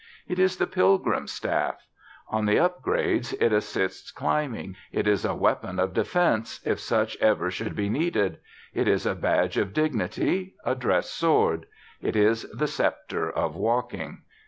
It is the pilgrim's staff. On the up grades it assists climbing. It is a weapon of defence if such should ever be needed. It is a badge of dignity, a dress sword. It is the sceptre of walking.